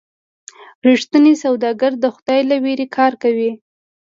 رښتینی سوداګر د خدای له ویرې کار کوي.